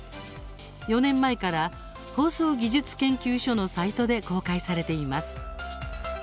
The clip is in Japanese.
４年前から放送技術研究所のサイトで公開されています。